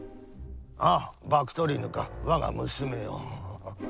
ああバクトリーヌかわが娘よ。